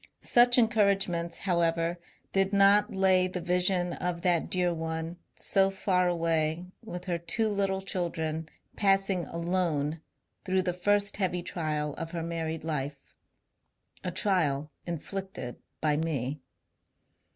Such encouragements, however, did not lay the vision of that dear one so far away with her two little children passing alone through the first heavy trial of her married life — a trial inflicted by me.